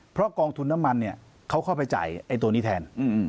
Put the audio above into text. เพราะกองทุนน้ำมันเนี่ยเขาเข้าไปจ่ายไอ้ตัวนี้แทน